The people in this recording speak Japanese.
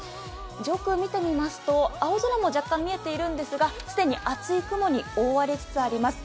上空を見てみますと青空も若干見えているんですが既に厚い雲に覆われつつあります。